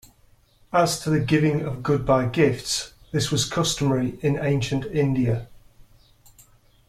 As to the giving of goodbye gifts, this was customary in ancient India.